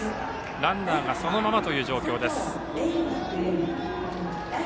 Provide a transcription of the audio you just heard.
ランナーがそのままという状況。